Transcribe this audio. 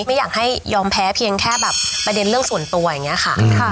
ไม่อยากให้ยอมแพ้เพียงแค่แบบประเด็นเรื่องส่วนตัวอย่างนี้ค่ะ